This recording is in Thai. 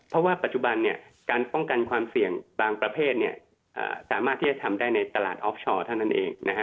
เพราะว่าปัจจุบันการป้องกันความเสี่ยงบางประเภทสามารถที่จะทำได้ในตลาดออฟชอร์เท่านั้นเองนะฮะ